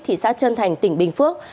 thị xã trân thành tỉnh bình phước